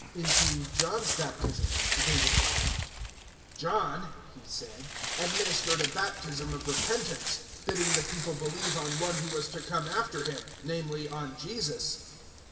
"Into John's baptism," they replied. 019:004 "John," he said, "administered a baptism of repentance, bidding the people believe on One who was to come after him; namely, on Jesus."